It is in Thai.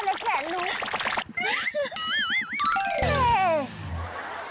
ย่าดาวเก่าอีกย้า